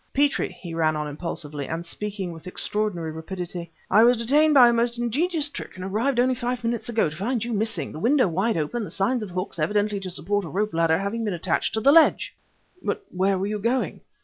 "Petrie!" he ran on impulsively, and speaking with extraordinary rapidly, "I was detained by a most ingenious trick and arrived only five minutes ago, to find you missing, the window wide open, and signs of hooks, evidently to support a rope ladder, having been attached to the ledge." "But where were you going?"